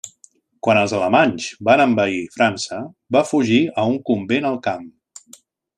Quan els alemanys van envair França va fugir a un convent al camp.